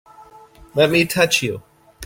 Let me touch you!